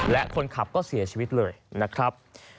และคนขับก็เสียชีวิตเลยนะครับ